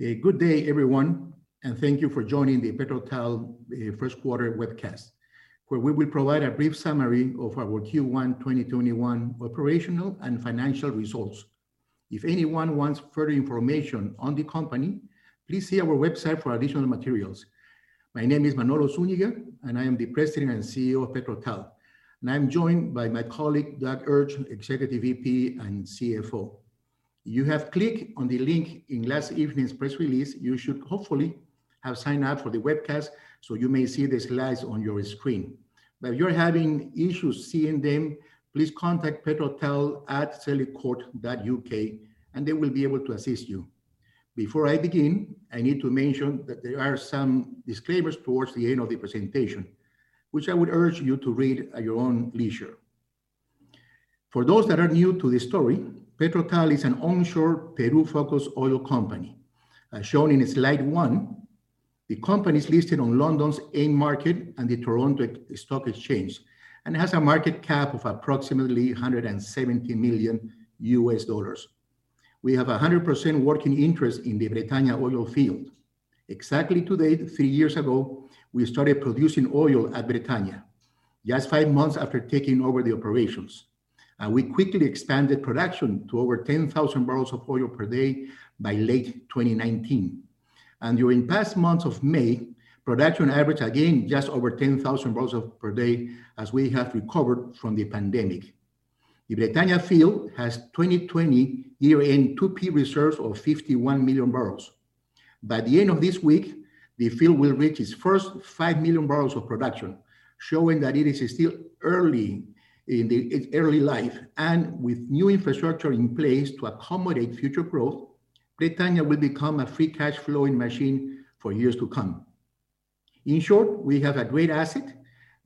A good day, everyone, and thank you for joining the PetroTal first quarter webcast, where we will provide a brief summary of our Q1 2021 operational and financial results. If anyone wants further information on the company, please see our website for additional materials. My name is Manolo Zuniga, and I am the President and Chief Executive Officer of PetroTal, and I'm joined by my colleague, Douglas Urch, Executive Vice President and Chief Financial Officer. You have clicked on the link in last evening's press release. You should hopefully have signed up for the webcast so you may see the slides on your screen. If you're having issues seeing them, please contact petrotal@celicourt.uk and they will be able to assist you. Before I begin, I need to mention that there are some disclaimers towards the end of the presentation, which I would urge you to read at your own leisure. For those that are new to the story, PetroTal is an onshore Peru-focused oil company. As shown in slide 1, the company is listed on London's AIM market and the Toronto Stock Exchange and has a market cap of approximately $170 million. We have 100% working interest in the Bretaña oil field. Exactly today, three years ago, we started producing oil at Bretaña, just five months after taking over the operations. We quickly expanded production to over 10,000 barrels of oil per day by late 2019. During the past month of May, production averaged again just over 10,000 barrels per day as we have recovered from the pandemic. The Bretaña field has 2020 year-end 2P reserves of 51 million barrels. By the end of this week, the field will reach its first 5 million barrels of production, showing that it is still in its early life. With new infrastructure in place to accommodate future growth, Bretaña will become a free cash flowing machine for years to come. In short, we have a great asset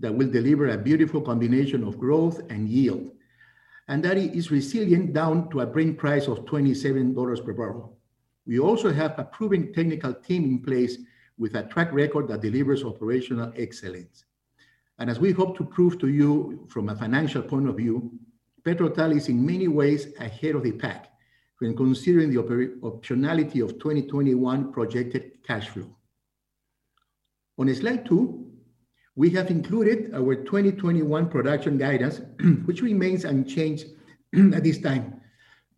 that will deliver a beautiful combination of growth and yield, and that it is resilient down to a break price of $27 per barrel. We also have a proven technical team in place with a track record that delivers operational excellence. As we hope to prove to you from a financial point of view, PetroTal is in many ways ahead of the pack when considering the optionality of 2021 projected cash flow. On slide 2, we have included our 2021 production guidance, which remains unchanged at this time,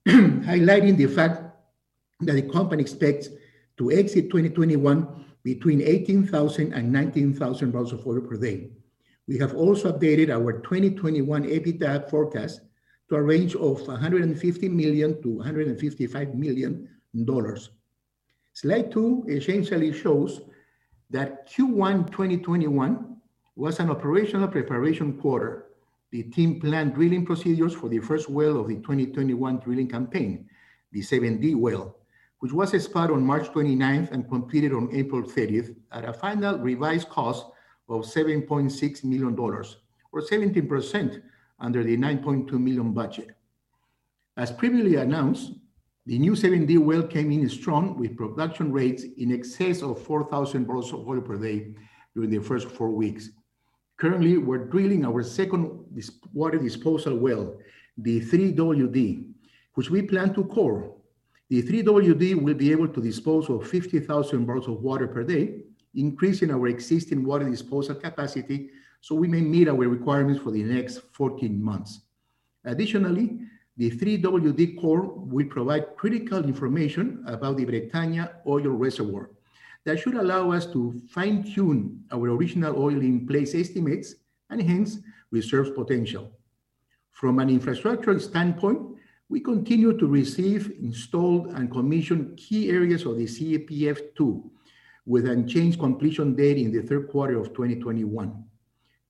highlighting the fact that the company expects to exit 2021 between 18,000 and 19,000 barrels of oil per day. We have also updated our 2021 EBITDA forecast to a range of $150 million-$155 million. Slide 2 essentially shows that Q1 2021 was an operational preparation quarter. The team planned drilling procedures for the first well of the 2021 drilling campaign, the 7D well, which was spudded on March 29th and completed on April 30th at a final revised cost of $7.6 million, or 17% under the $9.2 million budget. As previously announced, the new 7D well came in strong with production rates in excess of 4,000 barrels of oil per day during the first four weeks. Currently, we're drilling our second water disposal well, the 3WD, which we plan to core. The 3WD will be able to dispose of 50,000 barrels of water per day, increasing our existing water disposal capacity, so we may meet our requirements for the next 14 months. Additionally, the 3WD core will provide critical information about the Bretaña oil reservoir that should allow us to fine-tune our original oil in place estimates and hence reserve potential. From an infrastructural standpoint, we continue to receive, install, and commission key areas of the CPF-2 with an unchanged completion date in the third quarter of 2021.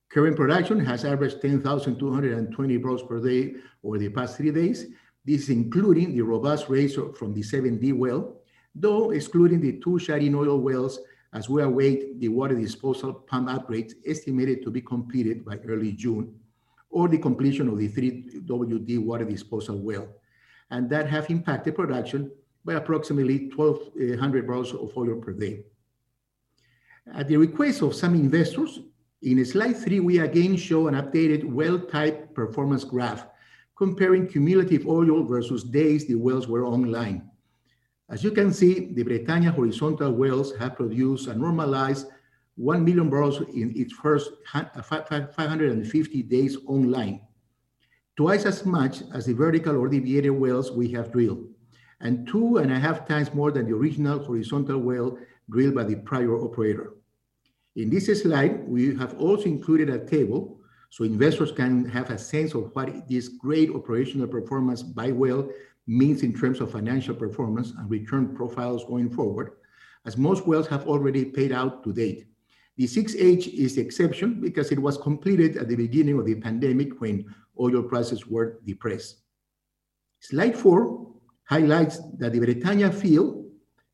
Current production has averaged 10,220 barrels per day over the past three days. This including the robust rates from the 7D well, though excluding the two shut-in oil wells as we await the water disposal pump upgrades estimated to be completed by early June, or the completion of the 3WD water disposal well, and that have impacted production by approximately 1,200 barrels of oil per day. At the request of some investors, in slide 3, we again show an updated well type performance graph comparing cumulative oil versus days the wells were online. As you can see, the Bretaña horizontal wells have produced a normalized 1 million barrels in its first 550 days online, twice as much as the vertical or deviated wells we have drilled, and two and a half times more than the original horizontal well drilled by the prior operator. In this slide, we have also included a table so investors can have a sense of what this great operational performance by well means in terms of financial performance and return profiles going forward, as most wells have already paid out to date. The 6H is the exception because it was completed at the beginning of the pandemic when oil prices were depressed. Slide 4 highlights that the Bretaña field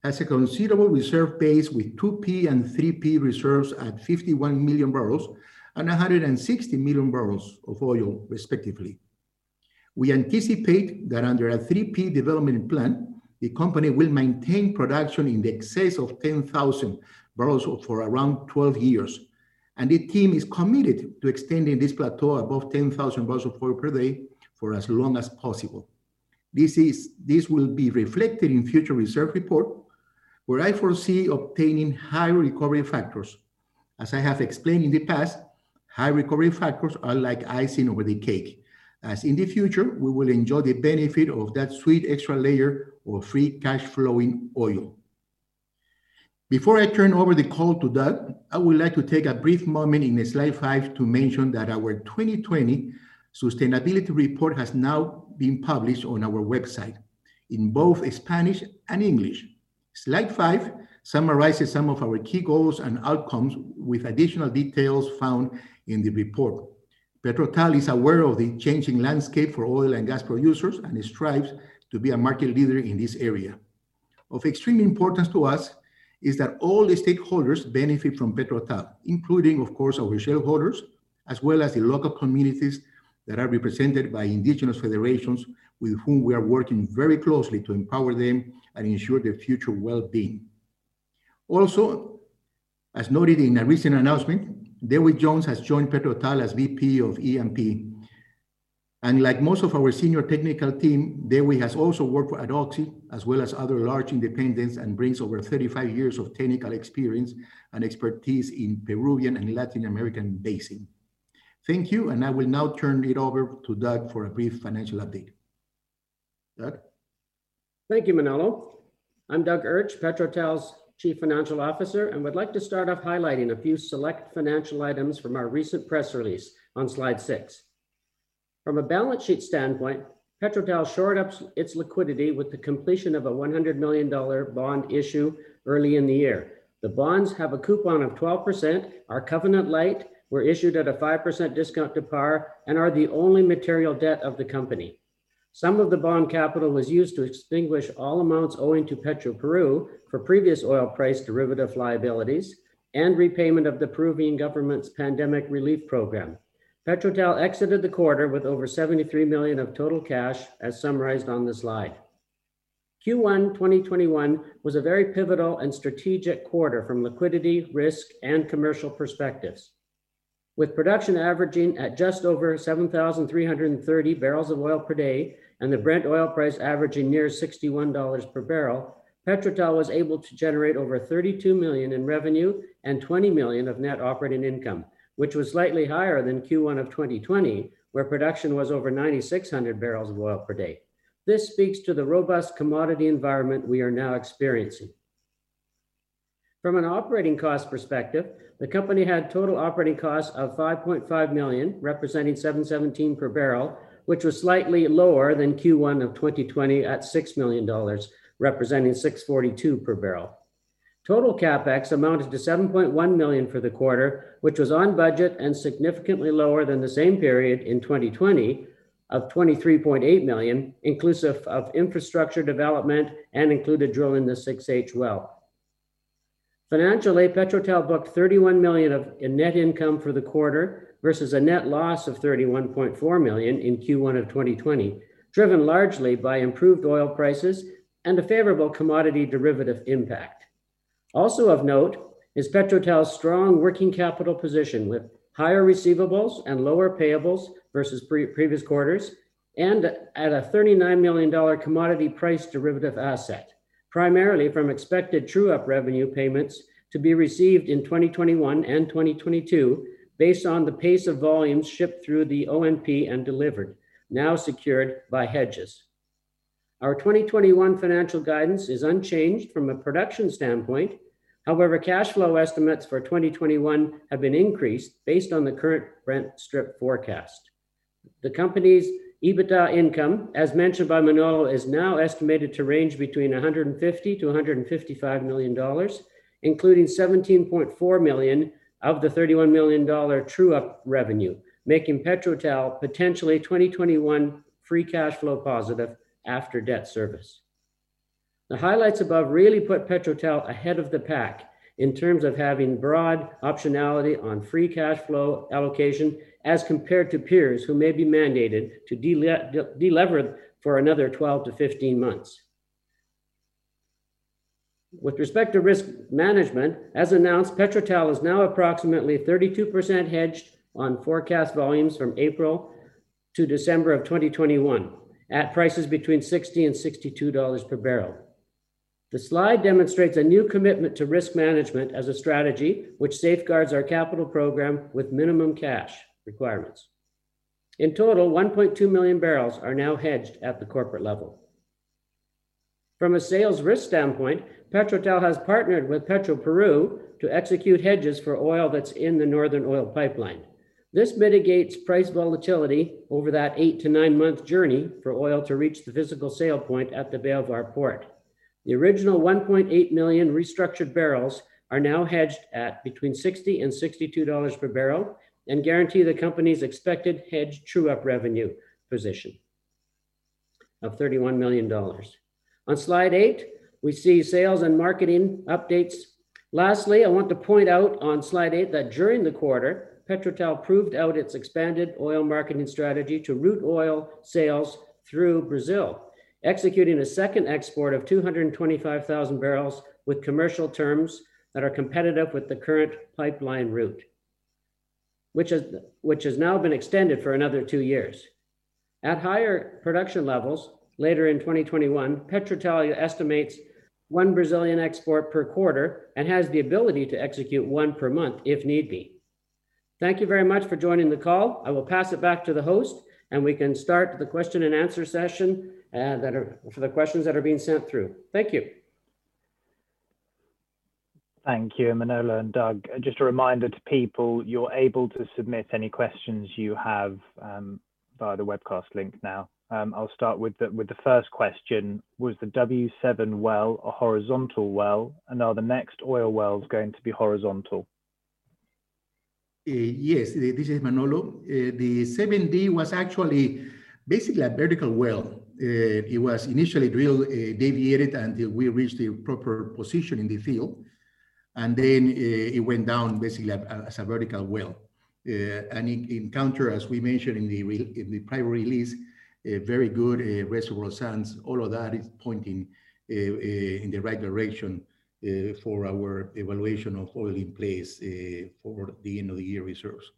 has a considerable reserve base with 2P and 3P reserves at 51 million barrels and 160 million barrels of oil, respectively. We anticipate that under a 3P development plan, the company will maintain production in excess of 10,000 barrels for around 12 years. The team is committed to extending this plateau above 10,000 barrels of oil per day for as long as possible. This will be reflected in future reserve report, where I foresee obtaining high recovery factors. As I have explained in the past, high recovery factors are like icing over the cake, as in the future we will enjoy the benefit of that sweet extra layer of free cash flowing oil. Before I turn over the call to Doug, I would like to take a brief moment in slide 5 to mention that our 2020 sustainability report has now been published on our website in both Spanish and English. Slide 5 summarizes some of our key goals and outcomes with additional details found in the report. PetroTal is aware of the changing landscape for oil and gas producers and strives to be a market leader in this area. Of extreme importance to us is that all the stakeholders benefit from PetroTal, including, of course, our shareholders, as well as the local communities that are represented by indigenous federations with whom we are working very closely to empower them and ensure their future wellbeing. As noted in a recent announcement, Dewi Jones has joined PetroTal as VP of E&P. Like most of our senior technical team, Dewi has also worked for Oxy as well as other large independents and brings over 35 years of technical experience and expertise in Peruvian and Latin American basin. Thank you, and I will now turn it over to Doug for a brief financial update. Doug? Thank you, Manolo. I'm Douglas Urch, PetroTal's Chief Financial Officer, and would like to start off highlighting a few select financial items from our recent press release on slide 6. From a balance sheet standpoint, PetroTal shored up its liquidity with the completion of a $100 million bond issue early in the year. The bonds have a coupon of 12%, are covenant light, were issued at a 5% discount to par, and are the only material debt of the company. Some of the bond capital was used to extinguish all amounts owing to Petroperú for previous oil price derivative liabilities and repayment of the Peruvian government's pandemic relief program. PetroTal exited the quarter with over $73 million of total cash, as summarized on this slide. Q1 2021 was a very pivotal and strategic quarter from liquidity, risk, and commercial perspectives. With production averaging at just over 7,330 barrels of oil per day and the Brent oil price averaging near $61 per barrel, PetroTal was able to generate over $32 million in revenue and $20 million of net operating income, which was slightly higher than Q1 of 2020, where production was over 9,600 barrels of oil per day. This speaks to the robust commodity environment we are now experiencing. From an operating cost perspective, the company had total operating costs of $5.5 million, representing $7.17 per barrel, which was slightly lower than Q1 of 2020 at $6 million, representing $6.42 per barrel. Total CapEx amounted to $7.1 million for the quarter, which was on budget and significantly lower than the same period in 2020 of $23.8 million, inclusive of infrastructure development and included drilling the 6H well. Financially, PetroTal booked $31 million of net income for the quarter versus a net loss of $31.4 million in Q1 of 2020, driven largely by improved oil prices and a favorable commodity derivative impact. Also of note is PetroTal's strong working capital position with higher receivables and lower payables versus previous quarters, and at a $39 million commodity price derivative asset, primarily from expected true-up revenue payments to be received in 2021 and 2022 based on the pace of volume shipped through the ONP and delivered, now secured by hedges. Our 2021 financial guidance is unchanged from a production standpoint. Cash flow estimates for 2021 have been increased based on the current Brent strip forecast. The company's EBITDA income, as mentioned by Manolo, is now estimated to range between $150 million-$155 million, including $17.4 million of the $31 million true-up revenue, making PetroTal potentially 2021 free cash flow positive after debt service. The highlights above really put PetroTal ahead of the pack in terms of having broad optionality on free cash flow allocation as compared to peers who may be mandated to de-lever for another 12 to 15 months. With respect to risk management, as announced, PetroTal is now approximately 32% hedged on forecast volumes from April to December of 2021 at prices between $60 and $62 per barrel. The slide demonstrates a new commitment to risk management as a strategy which safeguards our capital program with minimum cash requirements. In total, 1.2 million barrels are now hedged at the corporate level. From a sales risk standpoint, PetroTal has partnered with Petroperú to execute hedges for oil that's in the northern oil pipeline. This mitigates price volatility over that eight to nine-month journey for oil to reach the physical sale point at the Bayovar Port. The original 1.8 million restructured barrels are now hedged at between $60 and $62 per barrel and guarantee the company's expected hedged true-up revenue position of $31 million. On slide 8, we see sales and marketing updates. Lastly, I want to point out on slide eight that during the quarter, PetroTal proved out its expanded oil marketing strategy to route oil sales through Brazil, executing a second export of 225,000 barrels with commercial terms that are competitive with the current pipeline route, which has now been extended for another two years. At higher production levels later in 2021, PetroTal estimates one Brazilian export per quarter and has the ability to execute one per month if need be. Thank you very much for joining the call. I will pass it back to the host, and we can start the question-and-answer session for the questions that are being sent through. Thank you. Thank you, Manolo and Doug. Just a reminder to people, you're able to submit any questions you have via the webcast link now. I'll start with the first question: Was the 7D well a horizontal well, and are the next oil wells going to be horizontal? Yes, this is Manolo. The 7D was actually basically a vertical well. It was initially drilled, deviated until we reached the proper position in the field, and then it went down basically as a vertical well. It encountered, as we mentioned in the prior release, very good reservoir sands. All of that is pointing in the right direction for our evaluation of holding place for the end-of-the-year reserves.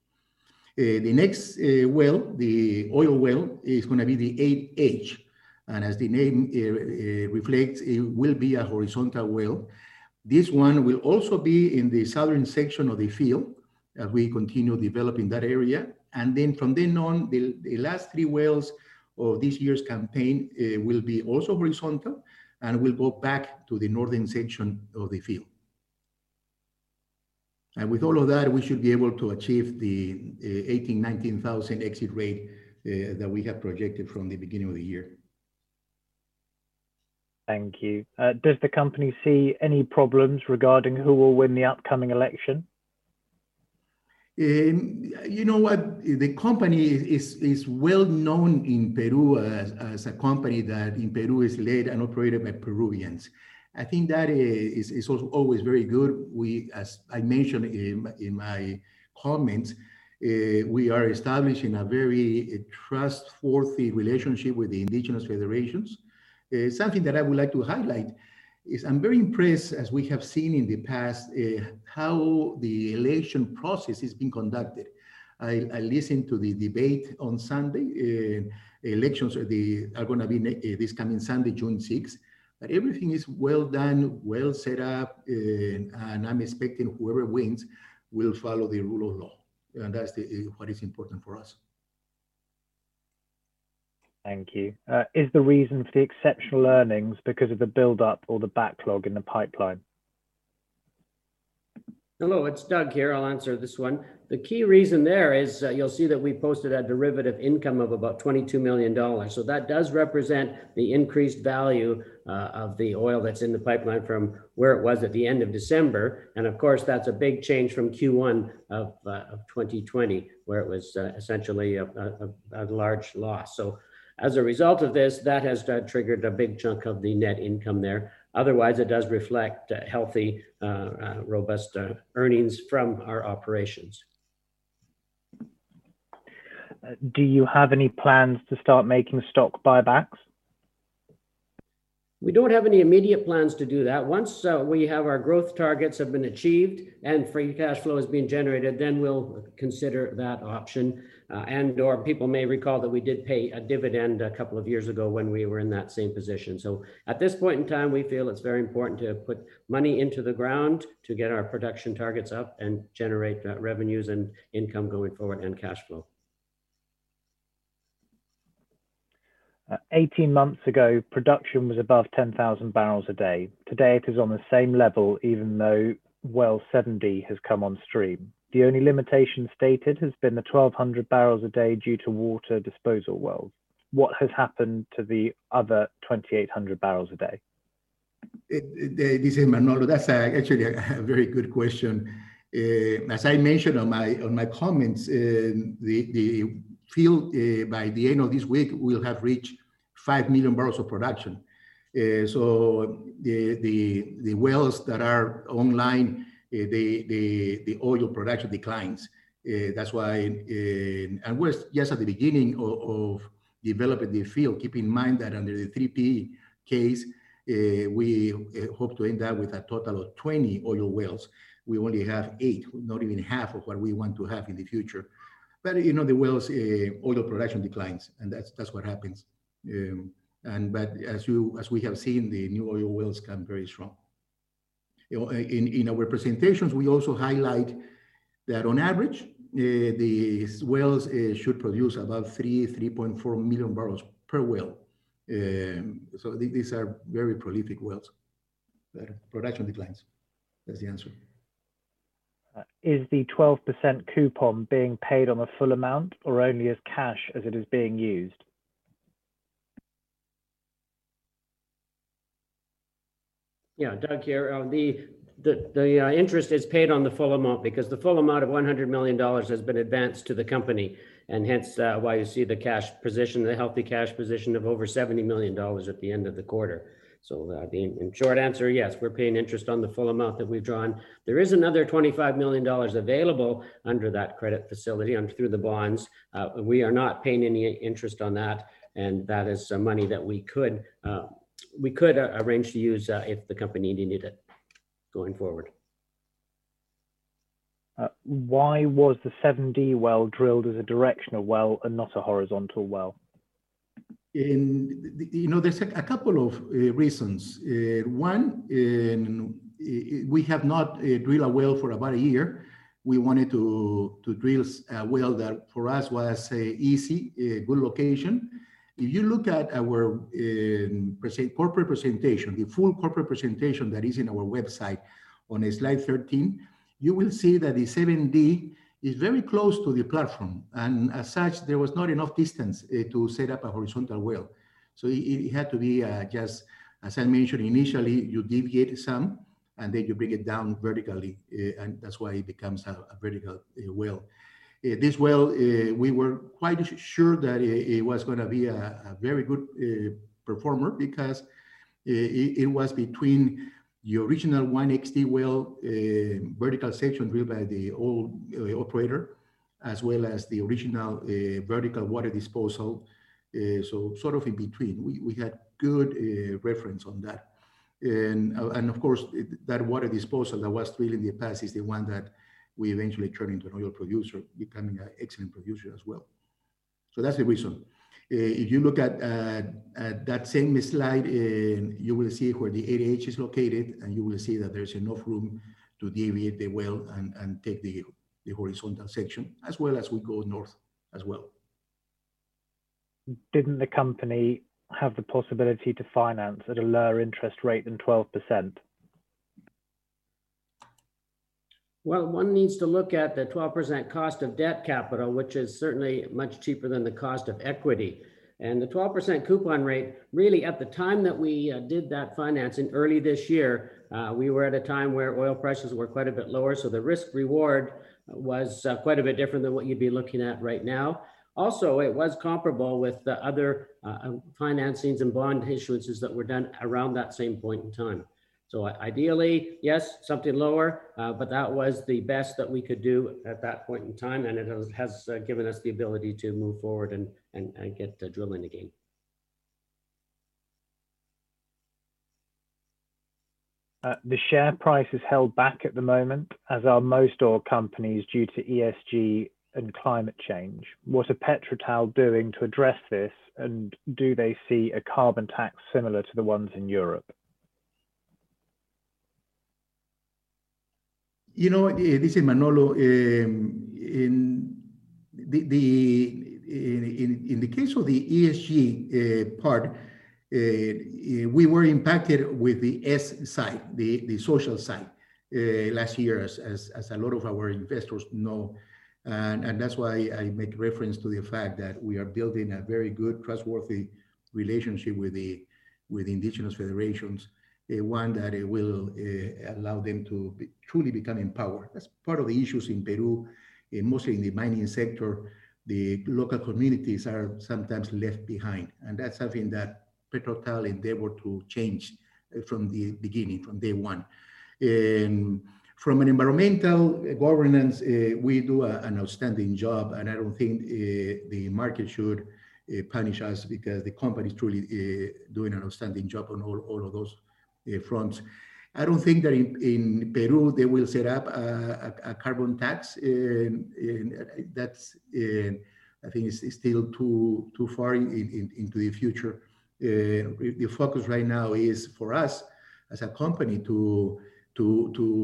The next well, the oil well, is going to be the 8H, and as the name reflects, it will be a horizontal well. This one will also be in the southern section of the field, as we continue developing that area. Then from then on, the last three wells of this year's campaign will be also horizontal and will go back to the northern section of the field. With all of that, we should be able to achieve the 18,000, 19,000 exit rate that we have projected from the beginning of the year. Thank you. Does the company see any problems regarding who will win the upcoming election? You know what? The company is well-known in Peru as a company that in Peru is led and operated by Peruvians. I think that is always very good. As I mentioned in my comments, we are establishing a very trustworthy relationship with the indigenous federations. Something that I would like to highlight is I'm very impressed, as we have seen in the past, how the election process is being conducted. I listened to the debate on Sunday. Elections are going to be this coming Sunday, June 6th. Everything is well done, well set up, and I'm expecting whoever wins will follow the rule of law, and that is what is important for us. Thank you. Is the reason for the exceptional earnings because of the buildup or the backlog in the pipeline? Hello, it's Doug here. I'll answer this one. The key reason there is you'll see that we posted a derivative income of about $22 million. That does represent the increased value of the oil that's in the pipeline from where it was at the end of December, and of course, that's a big change from Q1 of 2020, where it was essentially a large loss. As a result of this, that has triggered a big chunk of the net income there. Otherwise, it does reflect healthy, robust earnings from our operations. Do you have any plans to start making stock buybacks? We don't have any immediate plans to do that. Once our growth targets have been achieved and free cash flow is being generated, then we'll consider that option. People may recall that we did pay a dividend a couple of years ago when we were in that same position. At this point in time, we feel it's very important to put money into the ground to get our production targets up and generate net revenues and income going forward, and cash flow. 18 months ago, production was above 10,000 barrels a day. Today, it is on the same level, even though well 7D has come on stream. The only limitation stated has been the 1,200 barrels a day due to water disposal wells. What has happened to the other 2,800 barrels a day? This is Manolo. That's actually a very good question. As I mentioned in my comments, the field by the end of this week will have reached 5 million barrels of production. The wells that are online, the oil production declines. That's why, we're just at the beginning of developing the field. Keep in mind that under the 3P case, we hope to end up with a total of 20 oil wells. We only have eight, not even half of what we want to have in the future. The wells, oil production declines, that's what happens. As we have seen, the new oil wells come very strong. In our presentations, we also highlight that on average, these wells should produce about 3, 3.4 million barrels per well. These are very prolific wells. Production declines. That's the answer. Is the 12% coupon being paid on the full amount or only as cash as it is being used? Doug here. The interest is paid on the full amount because the full amount of $100 million has been advanced to the company, and hence why you see the healthy cash position of over $70 million at the end of the quarter. The short answer, yes, we're paying interest on the full amount that we've drawn. There is another $25 million available under that credit facility through the bonds. We are not paying any interest on that, and that is money that we could arrange to use if the company needed it. Going forward. Why was the 7D well drilled as a directional well and not a horizontal well? There's a couple of reasons. One, we have not drilled a well for about a year. We wanted to drill a well that for us was easy, a good location. If you look at our corporate presentation, the full corporate presentation that is on our website, on slide 13, you will see that the 7D is very close to the platform, and as such, there was not enough distance to set up a horizontal well. It had to be just as I mentioned initially, you deviate some, and then you bring it down vertically, and that's why it becomes a vertical well. This well, we were quite sure that it was going to be a very good performer because it was between the original 1XT well, vertical section drilled by the old operator, as well as the original vertical water disposal. Sort of in between. We had good reference on that. Of course, that water disposal that was drilled in the past is the one that we eventually turned into an oil producer, becoming an excellent producer as well. That's the reason. If you look at that same slide, you will see where the 8H is located, and you will see that there's enough room to deviate the well and take the horizontal section, as well as we go north as well. Didn't the company have the possibility to finance at a lower interest rate than 12%? Well, one needs to look at the 12% cost of debt capital, which is certainly much cheaper than the cost of equity. The 12% coupon rate, really at the time that we did that financing early this year, we were at a time where oil prices were quite a bit lower, so the risk-reward was quite a bit different than what you'd be looking at right now. Also, it was comparable with the other financings and bond issuances that were done around that same point in time. Ideally, yes, something lower, but that was the best that we could do at that point in time, and it has given us the ability to move forward and get drilling again. The share price is held back at the moment, as are most oil companies, due to ESG and climate change. What are PetroTal doing to address this, and do they see a carbon tax similar to the ones in Europe? This is Manolo. In the case of the ESG part, we were impacted with the S side, the social side, last year, as a lot of our investors know. That's why I make reference to the fact that we are building a very good, trustworthy relationship with the indigenous federations, one that will allow them to truly become empowered. That's part of the issues in Peru, mostly in the mining sector, the local communities are sometimes left behind, and that's something that PetroTal endeavored to change from the beginning, from day 1. From an environmental governance, we do an outstanding job, and I don't think the market should punish us because the company is truly doing an outstanding job on all of those fronts. I don't think that in Peru, they will set up a carbon tax. That's, I think, still too far into the future. The focus right now is for us, as a company, to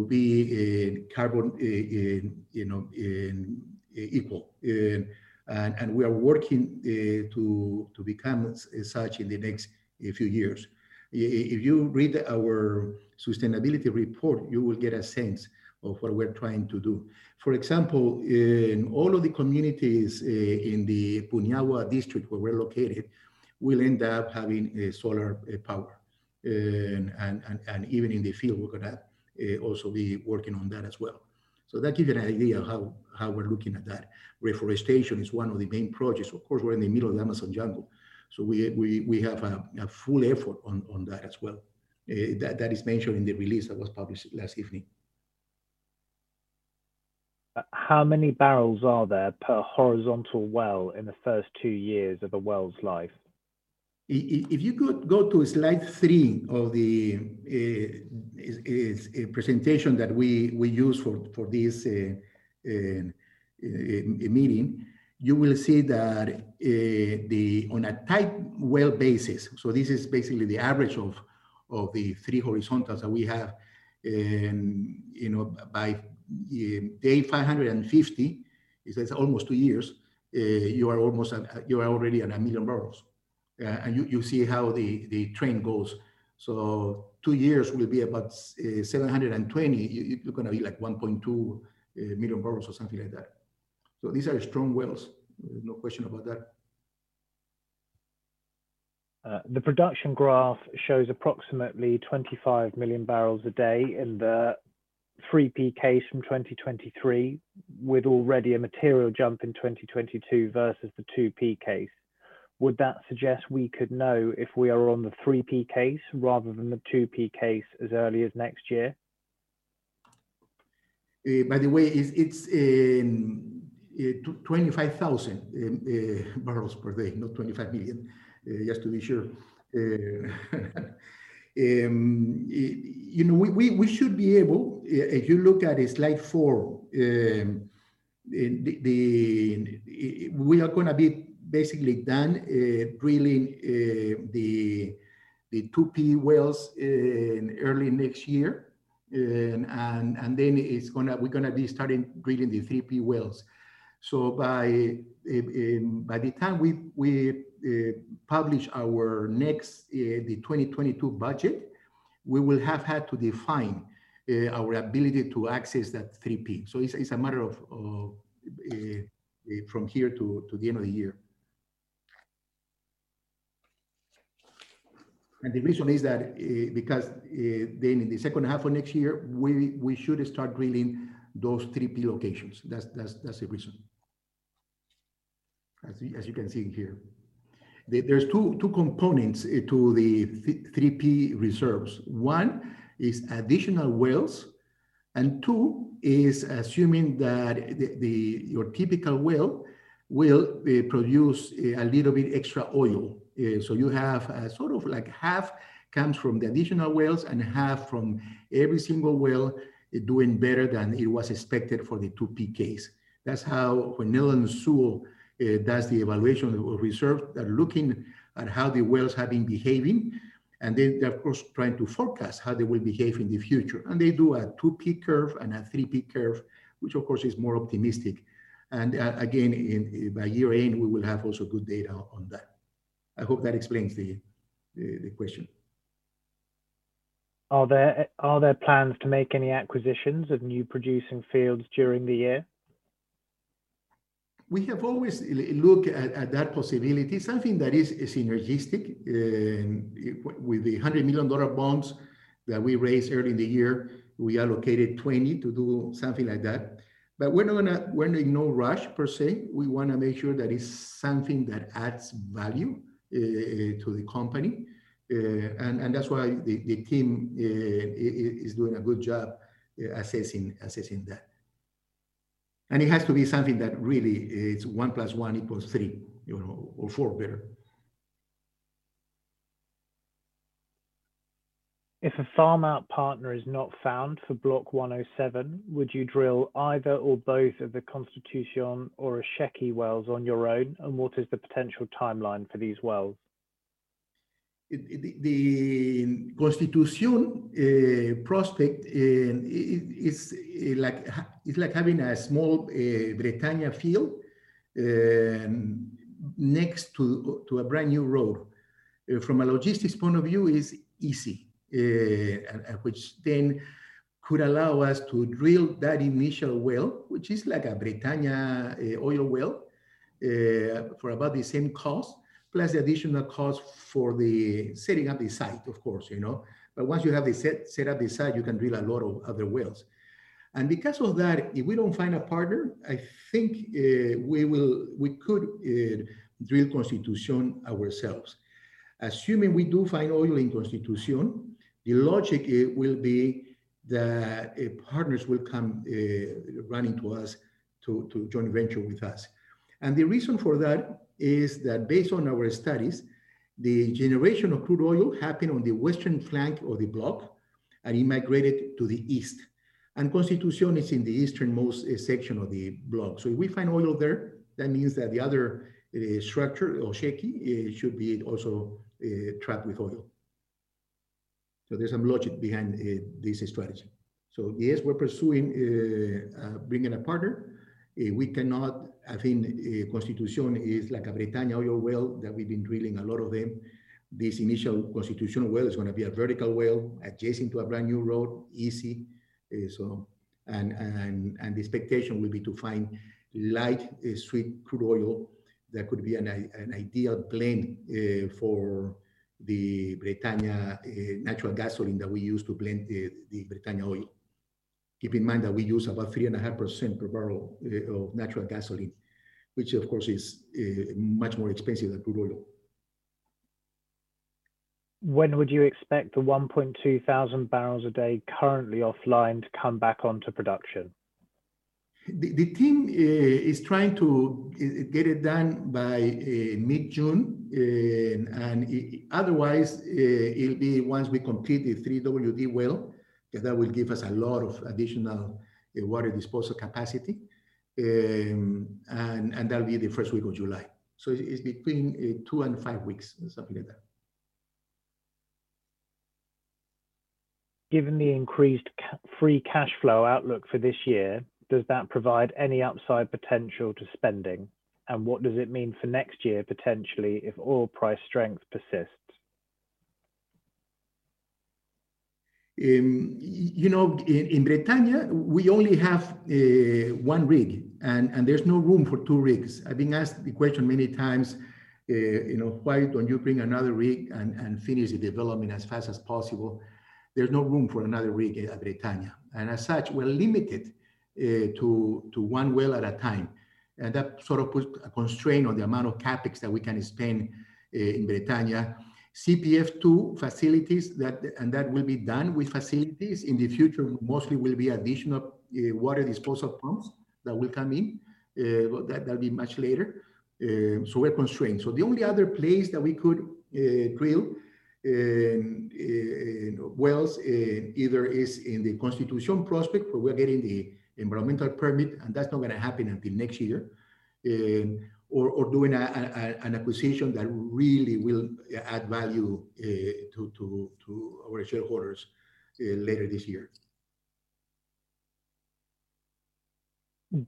be carbon equal, and we are working to become as such in the next few years. If you read our sustainability report, you will get a sense of what we're trying to do. For example, in all of the communities in the Puñahua District where we're located, we'll end up having solar power. Even in the field, we're going to also be working on that as well. That gives you an idea of how we're looking at that. Reforestation is one of the main projects. Of course, we're in the middle of the Amazon jungle, so we have a full effort on that as well. That is mentioned in the release that was published last evening. How many barrels are there per horizontal well in the first two years of a well's life? If you go to slide 3 of the presentation that we used for this meeting, you will see that on a type well basis, so this is basically the average of the three horizontals that we have. By day 550, it says almost two years, you are already at a million barrels, and you see how the trend goes. Two years will be about 720. You're going to be at 1.2 million barrels or something like that. These are strong wells, no question about that. The production graph shows approximately 25 million barrels a day in the 3P case from 2023, with already a material jump in 2022 versus the 2P case. Would that suggest we could know if we are on the 3P case rather than the 2P case as early as next year? It's 25,000 barrels per day, not 25 million, just to be sure. If you look at slide 4, we are going to be basically done drilling the 2P wells early next year. We're going to be starting drilling the 3P wells. By the time we publish our next, the 2022 budget, we will have had to define our ability to access that 3P. It's a matter of from here to the end of the year. The reason is that because in the second half of next year, we should start drilling those 3P locations. That's the reason, as you can see here. There's two components to the 3P reserves. One is additional wells, two is assuming that your typical well will produce a little bit extra oil. You have sort of half comes from the additional wells and half from every single well doing better than it was expected for the 2P case. That's how Netherland, Sewell does the evaluation of reserve. They're looking at how the wells have been behaving, and then they're of course, trying to forecast how they will behave in the future. They do a 2P curve and a 3P curve, which of course is more optimistic. Again, by year-end, we will have also good data on that. I hope that explains the question. Are there plans to make any acquisitions of new producing fields during the year? We have always looked at that possibility. Something that is synergistic. With the $100 million bonds that we raised earlier in the year, we allocated $20 million to do something like that. We're in no rush per se. We want to make sure that it's something that adds value to the company. That's why the team is doing a good job assessing that. It has to be something that really is one plus one equals three, or four better. If a farm-out partner is not found for Block 107, would you drill either or both of the Constitucion or Osheki wells on your own? What is the potential timeline for these wells? The Constitucion prospect is like having a small Bretaña field next to a brand new road. From a logistics point of view, it's easy, which then could allow us to drill that initial well, which is like a Bretaña oil well, for about the same cost, plus additional cost for the setting up the site, of course. Once you have set up the site, you can drill a lot of other wells. Because of that, if we don't find a partner, I think we could drill Constitucion ourselves. Assuming we do find oil in Constitucion, the logic will be that partners will come running to us to joint venture with us. The reason for that is that based on our studies, the generation of crude oil happened on the western flank of the block and it migrated to the east. Constitucion is in the easternmost section of the block. If we find oil there, that means that the other structure, Osheki, should be also trapped with oil. There's some logic behind this strategy. Yes, we're pursuing bringing a partner. Constitucion is like a Bretaña oil well that we've been drilling a lot of them. This initial Constitucion well is going to be a vertical well adjacent to a brand new road. Easy. The expectation will be to find light, sweet, crude oil that could be an ideal blend for the Bretaña natural gasoline that we use to blend the Bretaña oil. Keep in mind that we use about 3.5% per barrel of natural gasoline, which of course is much more expensive than crude oil. When would you expect the 1,200 barrels a day currently offline to come back onto production? The team is trying to get it done by mid-June. Otherwise, it'll be once we complete the 3WD well, because that will give us a lot of additional water disposal capacity, and that'll be the first week of July. It's between two and five weeks, something like that. Given the increased free cash flow outlook for this year, does that provide any upside potential to spending? What does it mean for next year, potentially, if oil price strength persists? In Bretaña, we only have one rig, and there's no room for two rigs. I've been asked the question many times, "Why don't you bring another rig and finish the development as fast as possible?" There's no room for another rig at Bretaña. As such, we're limited to one well at a time. That puts a constraint on the amount of CapEx that we can spend in Bretaña. CPF-2 facilities, and that will be done with facilities. In the future, mostly will be additional water disposal pumps that will come in. That'll be much later. We're constrained. The only other place that we could drill wells either is in the Constitucion prospect, where we're getting the environmental permit, and that's not going to happen until next year, or doing an acquisition that really will add value to our shareholders later this year.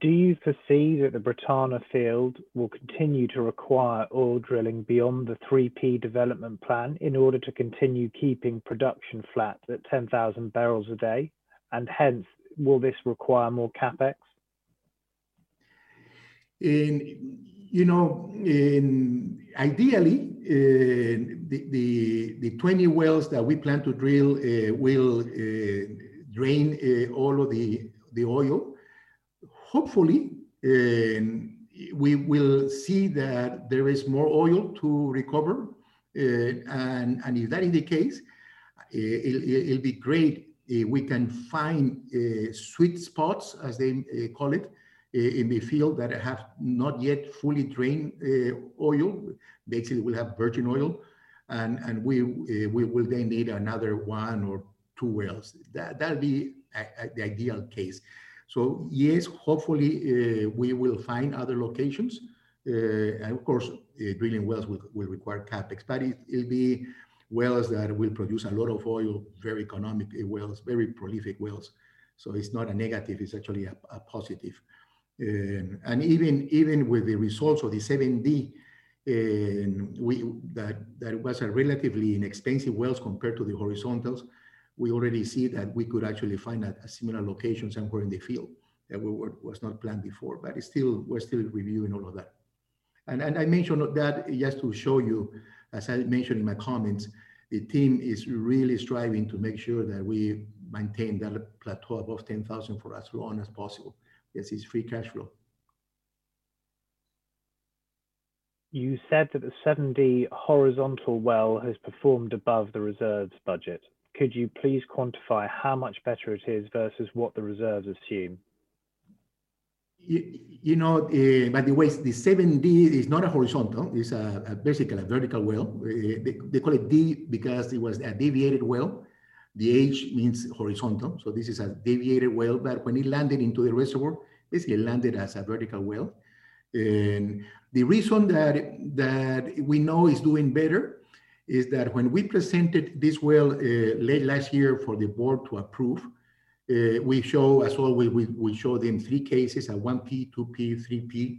Do you foresee that the Bretaña field will continue to require oil drilling beyond the 3P development plan in order to continue keeping production flat at 10,000 barrels a day, and hence will this require more CapEx? Ideally, the 20 wells that we plan to drill will drain all of the oil. Hopefully, we will see that there is more oil to recover, and if that is the case, it'll be great. We can find sweet spots, as they call it, in the field that have not yet fully drained oil. Basically, we have virgin oil, and we will then need another one or two wells. That'd be the ideal case. Yes, hopefully, we will find other locations. Of course, drilling wells will require CapEx, but it'll be wells that will produce a lot of oil, very economic wells, very prolific wells. It's not a negative, it's actually a positive. Even with the results of the 7D, that was a relatively inexpensive well compared to the horizontals. We already see that we could actually find similar locations somewhere in the field that was not planned before. We're still reviewing all of that. I mentioned that just to show you, as I mentioned in my comments, the team is really striving to make sure that we maintain that plateau above 10,000 for as long as possible because it's free cash flow. You said that the 7D horizontal well has performed above the reserves budget. Could you please quantify how much better it is versus what the reserves assume? By the way, the 7D is not a horizontal. It's basically a vertical well. They call it D because it was a deviated well. The H means horizontal. This is a deviated well, but when it landed into the reservoir, basically landed as a vertical well. The reason that we know it's doing better is that when we presented this well late last year for the board to approve, as well, we showed them three cases, a 1P, 2P,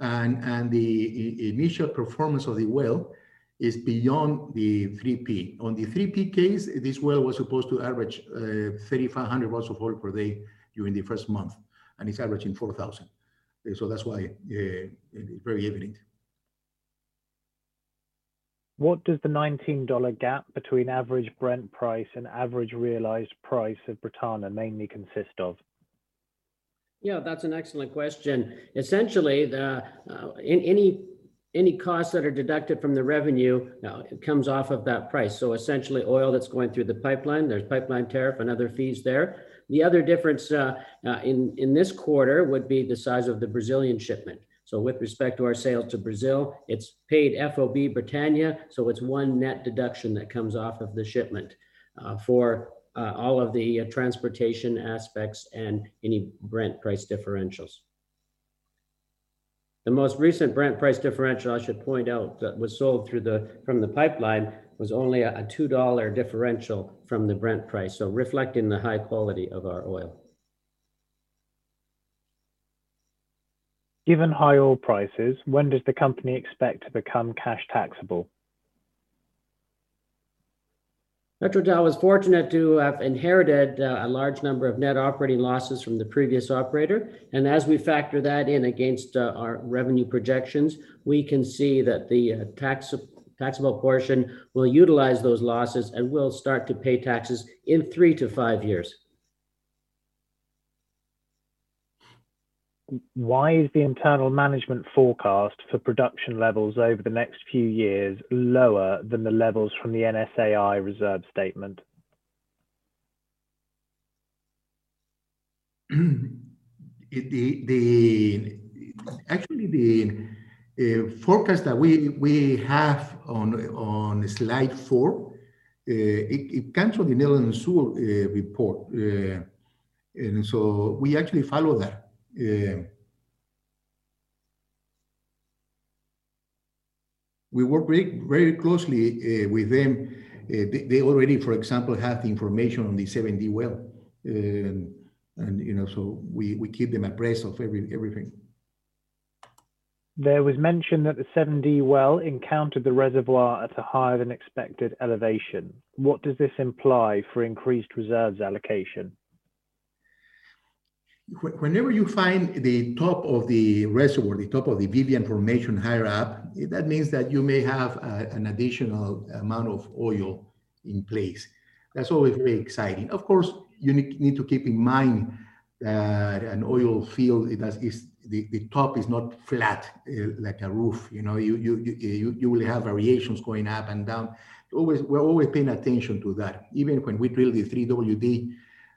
3P. The initial performance of the well is beyond the 3P. On the 3P case, this well was supposed to average 3,500 barrels of oil per day during the first month, and it's averaging 4,000. That's why it's very evident. What does the $19 gap between average Brent price and average realized price of Bretaña mainly consist of? That's an excellent question. Essentially, any costs that are deducted from the revenue, comes off of that price. Essentially, oil that's going through the pipeline, there's pipeline tariff and other fees there. The other difference in this quarter would be the size of the Brazilian shipment. With respect to our sales to Brazil, it's paid FOB Bretaña, so it's one net deduction that comes off of the shipment for all of the transportation aspects and any Brent price differentials. The most recent Brent price differential, I should point out, that was sold from the pipeline was only a $2 differential from the Brent price, so reflecting the high quality of our oil. Given high oil prices, when does the company expect to become cash taxable? PetroTal was fortunate to have inherited a large number of net operating losses from the previous operator. As we factor that in against our revenue projections, we can see that the taxable portion will utilize those losses, and we'll start to pay taxes in three to five years. Why is the internal management forecast for production levels over the next few years lower than the levels from the NSAI reserve statement? Actually, the forecast that we have on slide 4, it comes from the Netherland, Sewell & Associates, Inc. report. We actually follow that. We work very closely with them. They already, for example, have information on the 7D well, and so we keep them appraised of everything. There was mention that the 7D well encountered the reservoir at a higher than expected elevation. What does this imply for increased reserves allocation? Whenever you find the top of the reservoir, the top of the Vivian Formation higher up, that means that you may have an additional amount of oil in place. That's always very exciting. Of course, you need to keep in mind that an oil field, the top is not flat like a roof. You will have variations going up and down. We're always paying attention to that. Even when we drill the 3WD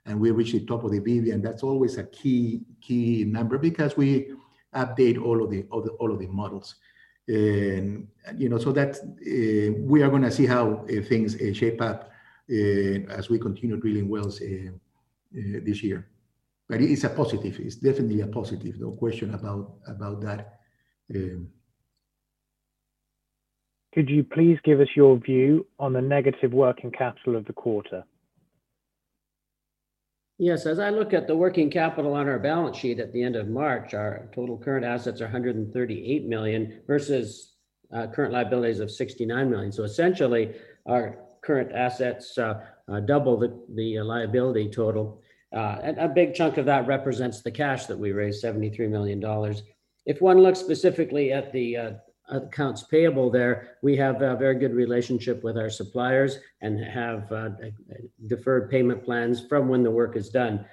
and we reach the top of the Vivian, that's always a key number because we update all of the models. We are going to see how things shape up as we continue drilling wells this year. It's a positive. It's definitely a positive, no question about that. Could you please give us your view on the negative working capital of the quarter? Yes. As I look at the working capital on our balance sheet at the end of March, our total current assets are $138 million versus current liabilities of $69 million. Essentially, our current assets double the liability total. A big chunk of that represents the cash that we raised, $73 million. If one looks specifically at the accounts payable there, we have a very good relationship with our suppliers and have deferred payment plans from when the work is done.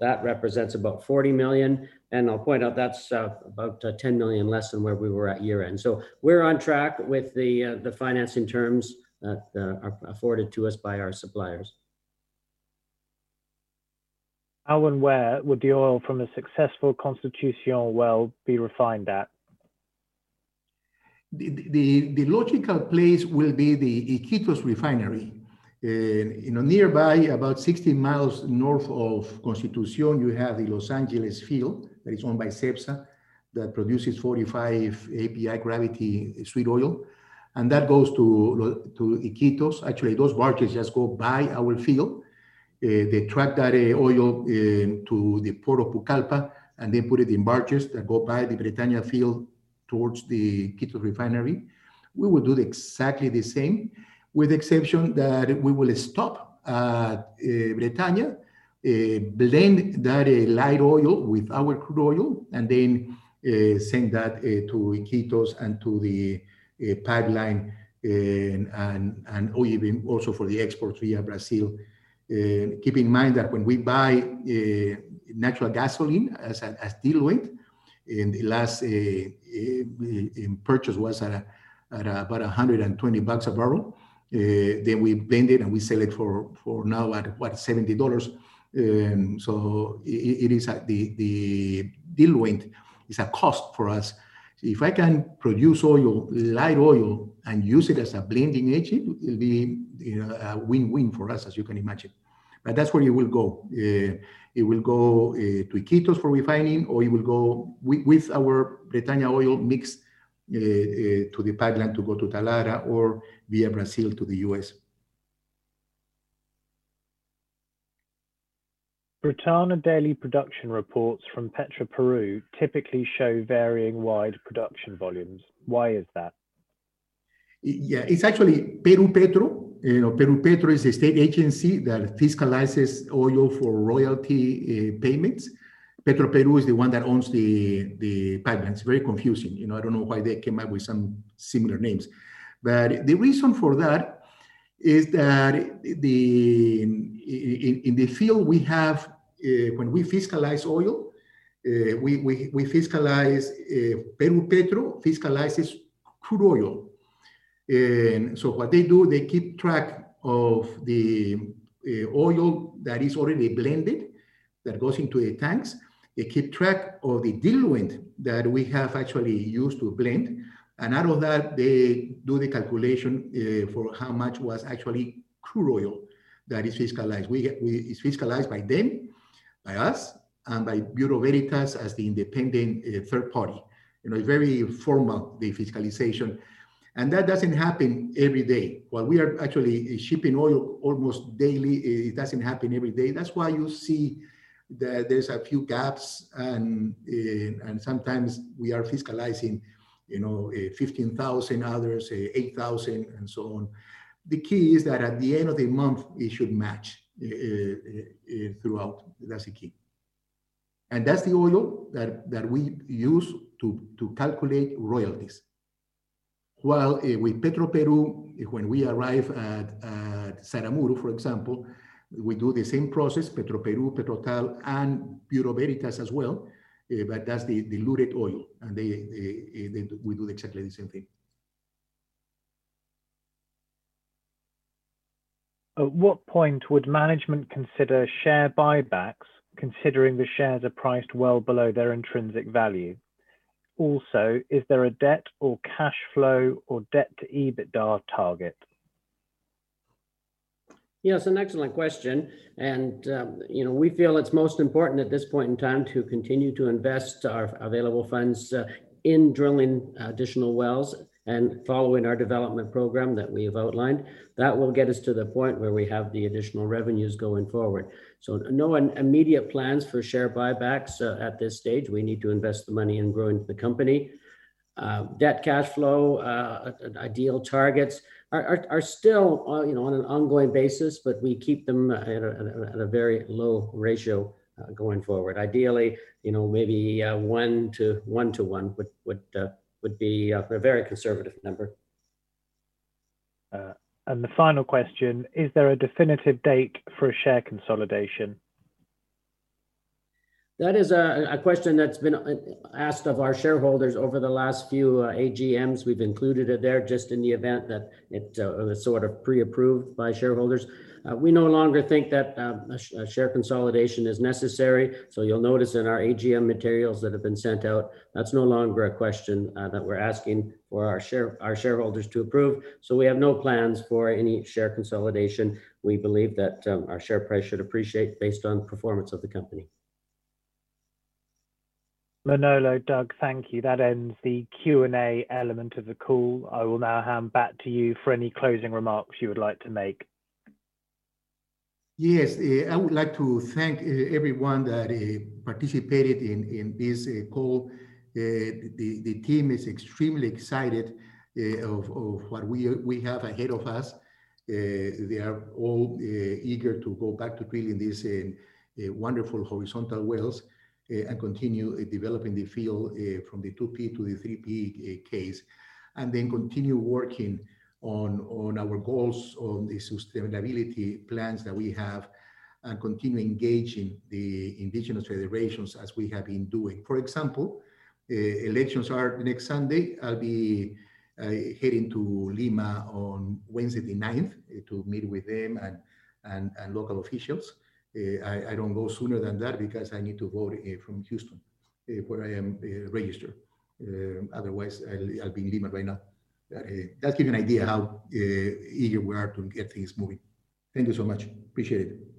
That represents about $40 million. I'll point out that's about $10 million less than where we were at year-end. We're on track with the financing terms that are afforded to us by our suppliers. How and where would the oil from a successful Constitución well be refined at? The logical place will be the Iquitos refinery. Nearby, about 60 miles north of Constitución, you have the Los Angeles field that is owned by Cepsa, that produces 45 API gravity sweet oil, and that goes to Iquitos. Actually, those barges just go by our field. They truck that oil to the port of Pucallpa, and they put it in barges that go by the Bretaña field towards the Iquitos refinery. We will do exactly the same, with the exception that we will stop at Bretaña, blend that light oil with our crude oil, and then send that to Iquitos and to the pipeline, and also for the export to Brazil. Keep in mind that when we buy natural gasoline as diluent, the last purchase was at about $120 a barrel. We blend it, and we sell it for now at $70. The diluent is a cost for us. If I can produce light oil and use it as a blending agent, it will be a win-win for us, as you can imagine. That's where it will go. It will go to Iquitos for refining, or it will go with our Bretaña oil mixed to the pipeline to go to Talara or via Brazil to the U.S. Bretaña daily production reports from Petroperú typically show varying wide production volumes. Why is that? It's actually Perupetro. Perupetro is a state agency that fiscalizes oil for royalty payments. Petroperú is the one that owns the pipelines. Very confusing. I don't know why they came up with some similar names. The reason for that is that in the field, when we fiscalize oil, Perupetro fiscalizes crude oil. What they do, they keep track of the oil that is already blended, that goes into the tanks. They keep track of the diluent that we have actually used to blend. Out of that, they do the calculation for how much was actually crude oil that is fiscalized. It's fiscalized by them, by us, and by Bureau Veritas as the independent third party. Very formal, the fiscalization. That doesn't happen every day. While we are actually shipping oil almost daily, it doesn't happen every day. That's why you see that there's a few gaps, and sometimes we are fiscalizing 15,000 others, 8,000, and so on. The key is that at the end of the month, it should match throughout. That's the key. That's the oil that we use to calculate royalties. While with Petroperú, when we arrive at Saramuro, for example, we do the same process, Petroperú, PetroTal, and Bureau Veritas as well, but that's the diluted oil. We do exactly the same thing. At what point would management consider share buybacks, considering the shares are priced well below their intrinsic value? Also, is there a debt or cash flow or debt-to-EBITDA target? Yes, an excellent question. We feel it's most important at this point in time to continue to invest our available funds in drilling additional wells and following our development program that we have outlined. That will get us to the point where we have the additional revenues going forward. No immediate plans for share buybacks at this stage. We need to invest the money in growing the company. Debt cash flow, ideal targets are still on an ongoing basis, but we keep them at a very low ratio going forward. Ideally, maybe one to one would be a very conservative number. The final question, is there a definitive date for share consolidation? That is a question that's been asked of our shareholders over the last few AGMs. We've included it there just in the event that it was sort of pre-approved by shareholders. We no longer think that a share consolidation is necessary. You'll notice in our AGM materials that have been sent out, that's no longer a question that we're asking for our shareholders to approve. We have no plans for any share consolidation. We believe that our share price should appreciate based on performance of the company. Manolo, Doug, thank you. That ends the Q&A element of the call. I will now hand back to you for any closing remarks you would like to make. Yes, I would like to thank everyone that participated in this call. The team is extremely excited of what we have ahead of us. They are all eager to go back to drilling these wonderful horizontal wells and continue developing the field from the 2P to the 3P case, and then continue working on our goals on the sustainability plans that we have and continue engaging the indigenous federations as we have been doing. For example, elections are next Sunday. I'll be heading to Lima on Wednesday the 9th to meet with them and local officials. I don't go sooner than that because I need to vote from Houston, where I am registered. Otherwise, I'd be in Lima by now. That's give you an idea how eager we are to get things moving. Thank you so much. Appreciate it.